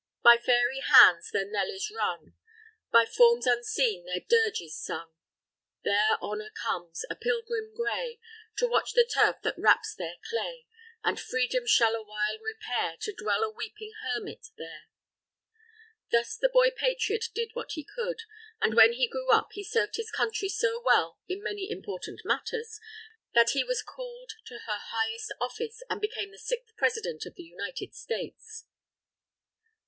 _ _By Fairy hands their knell is rung, By forms unseen their dirge is sung, There Honour comes, a Pilgrim grey, To watch the turf that wraps their clay, And Freedom shall awhile repair To dwell a weeping Hermit there._ Thus the boy patriot did what he could. And when he grew up, he served his Country so well in many important matters, that he was called to her highest office, and became the sixth President of the United States.